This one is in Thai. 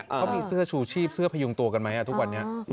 เขามีเสื้อชูชีพเสื้อพยุงตัวกันไหมทุกวันนี้